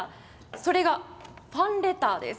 それが、ファンレターです。